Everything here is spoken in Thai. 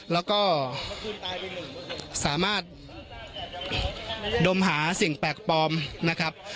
แล้วก็สามารถดมหาสิ่งแปลกปลอมนะครับ